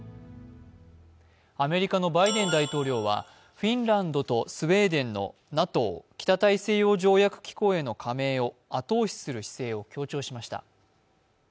アメリカのバイデン大統領はフィンランドとスウェーデンのＮＡＴＯ＝北大西洋条約機構への加盟を後押しする姿勢を強調しました。